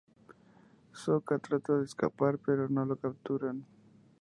Sokka trata de escapar, pero lo capturan.